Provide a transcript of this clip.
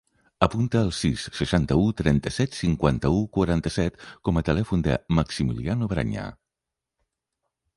Apunta el sis, seixanta-u, trenta-set, cinquanta-u, quaranta-set com a telèfon del Maximiliano Braña.